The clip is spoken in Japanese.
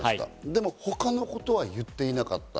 でも他のことは言っていなかった。